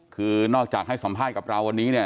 คือนอกจากให้สัมภาษณ์กับเราวันนี้เนี่ย